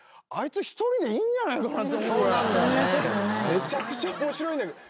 めちゃくちゃ面白いんだけど。